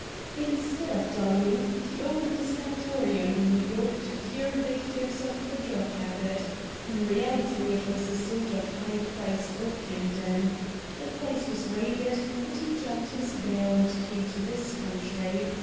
Instead of dying, he opened a sanatorium in New York to cure victims of the drug habit. In reality, it was a sort of high priced opium den. The place was raided, and he jumped his bail and came to this country.